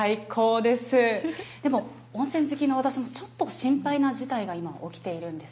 でも温泉好きの私もちょっと心配な事態が今、起きているんです。